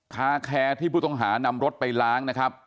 คาแคร์ที่ผู้ต้องหานำรถไปล้างนะครับ